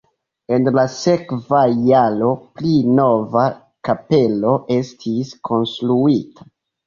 En la sekva jaro pli nova kapelo estis konstruita.